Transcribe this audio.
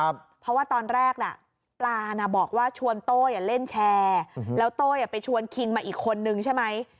เพราะว่าตอนแรกน่ะปลาน่ะบอกว่าชวนโต้ยเล่นแชร์แล้วโต้ยไปชวนคิงมาอีกคนนึงใช่ไหม